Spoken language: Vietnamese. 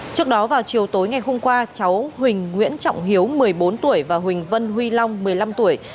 trước đó vào chiều tối ngày hôm qua cháu huỳnh nguyễn trọng hiếu một mươi bốn tuổi và huỳnh vân huy long một mươi năm tuổi